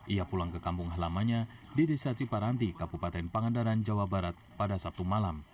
ia pulang ke kampung halamanya dede sachi paranti kapupaten pangandaran jawa barat pada sabtu malam